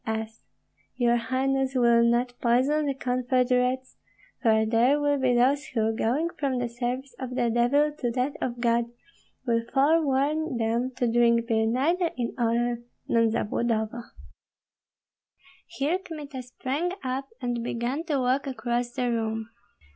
P. S. Your highness will not poison the confederates, for there will be those who, going from the service of the devil to that of God, will forewarn them to drink beer neither in Orel nor Zabludovo. Here Kmita sprang up and began to walk across the room.